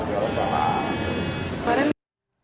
ya roh roh sama